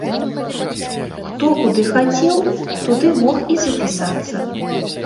Хто куды хацеў, туды мог і запісацца.